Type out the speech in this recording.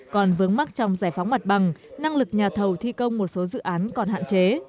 còn vướng mắt trong giải phóng mặt bằng năng lực nhà thầu thi công một số dự án còn hạn chế